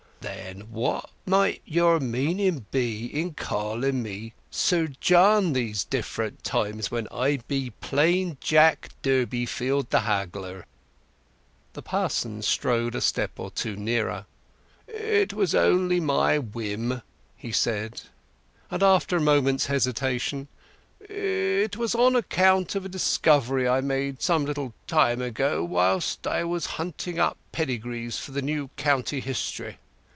"Then what might your meaning be in calling me 'Sir John' these different times, when I be plain Jack Durbeyfield, the haggler?" The parson rode a step or two nearer. "It was only my whim," he said; and, after a moment's hesitation: "It was on account of a discovery I made some little time ago, whilst I was hunting up pedigrees for the new county history.